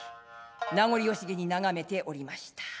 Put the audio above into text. なごり惜しげに眺めておりました。